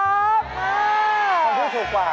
ครับค่ะของมีถูกกว่า